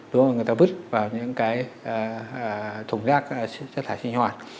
đúng là người ta bứt vào những cái thùng rác rác thải sinh hoạt